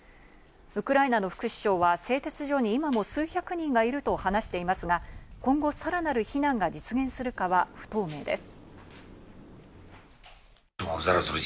ウクライナの副首相は製鉄所に今も数百人がいると話していますが、今後、さらなる避難が実現するかは不透明です。